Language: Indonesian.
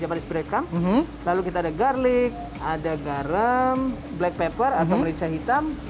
japanese break comp lalu kita ada garlic ada garam black pepper atau merica hitam